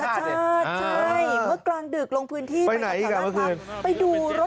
ชัด